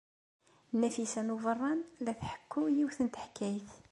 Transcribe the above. Nafisa n Ubeṛṛan la d-tḥekku yiwet n teḥkayt.